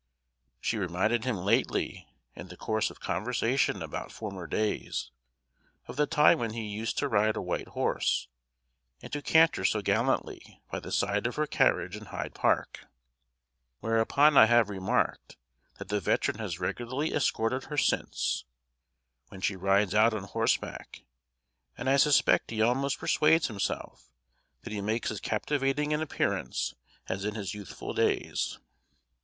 She reminded him lately, in the course of conversation about former days, of the time when he used to ride a white horse, and to canter so gallantly by the side of her carriage in Hyde Park; whereupon I have remarked that the veteran has regularly escorted her since, when she rides out on horseback; and I suspect he almost persuades himself that he makes as captivating an appearance as in his youthful days.